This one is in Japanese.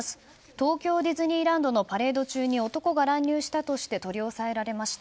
東京ディズニーランドのパレード中に男が乱入したとして取り押さえられました。